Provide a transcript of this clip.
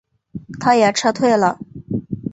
他也撤退了。